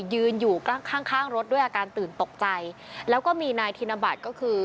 ยืนอยู่ข้างข้างรถด้วยอาการตื่นตกใจแล้วก็มีนายธินบัตรก็คือ